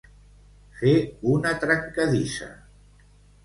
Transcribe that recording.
Fer una trencadissa.